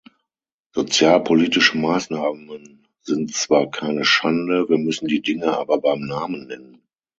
Sozialpolitische Maßnahmen sind zwar keine Schande, wir müssen die Dinge aber beim Namen nennen.